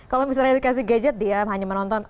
kalau misalnya dikasih gadget dia hanya menonton